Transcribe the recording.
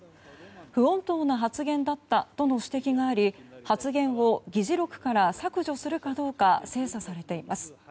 不穏当な発言だったと指摘があり発言を議事録から削除するかどうか精査されています。